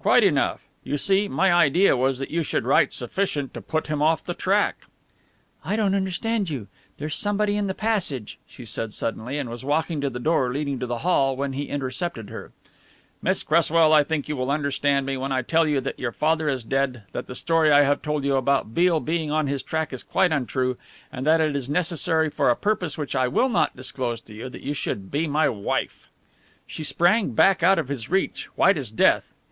"Quite enough. You see, my idea was that you should write sufficient to put him off the track." "I don't understand you there's somebody in the passage," she said suddenly, and was walking to the door leading to the hall when he intercepted her. "Miss Cresswell, I think you will understand me when I tell you that your father is dead, that the story I have told you about Beale being on his track is quite untrue, and that it is necessary for a purpose which I will not disclose to you that you should be my wife." She sprang back out of his reach, white as death.